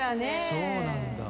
そうなんだ。